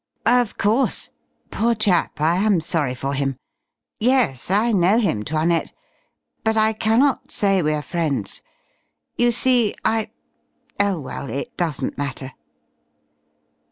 "Of course. Poor chap, I am sorry for him. Yes, I know him, 'Toinette. But I cannot say we are friends. You see, I Oh, well, it doesn't matter."